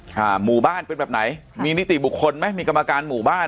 หมู่บ้านเป็นแบบไหนมีนิติบุคคลไหมมีกรรมการหมู่บ้าน